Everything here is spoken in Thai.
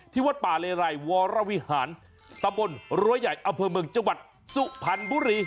วัดป่าเลไรวรวิหารตะบนรั้วใหญ่อำเภอเมืองจังหวัดสุพรรณบุรี